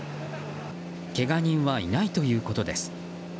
けが人はいないということです。